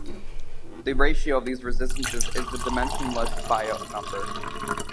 The ratio of these resistances is the dimensionless Biot number.